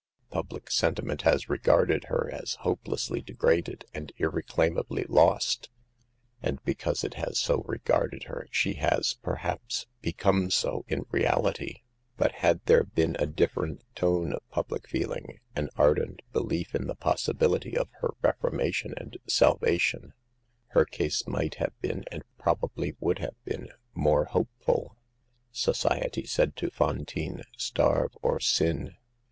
Public sentiment has regarded her as hope lessly degraded, and irreclaimably lost, and because it has so regarded her, she has, per haps, become so in reality. But had there 220 SAVE THE GIRLS. been a different tone of public feeling, an ar dent belief in the possibility of her reformation and salvation, her case might have been, and probably would have been, more hopeful. So ciety said to Fantine, " Starve or sin."